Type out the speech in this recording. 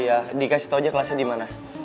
iya dikasih tau aja kelasnya dimana